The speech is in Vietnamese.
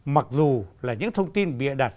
mặc dù là những thông tin bịa đặt